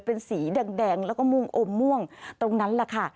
เป็นสีแดงแล้วก็ม่วงอมม่วงตรงนั้นแหละค่ะ